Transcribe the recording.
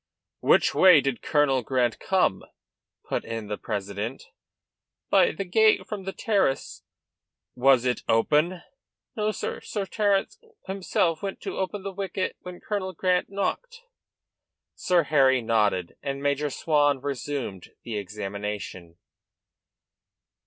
"Which way did Colonel Grant come?" put in the president. "By the gate from the terrace." "Was it open?" "No, sir. Sir Terence himself went to open the wicket when Colonel Grant knocked." Sir Harry nodded and Major Swan resumed the examination.